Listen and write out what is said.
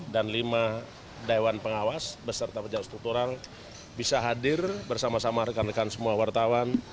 dan lima daewan pengawas beserta pejabat struktural bisa hadir bersama sama rekan rekan semua wartawan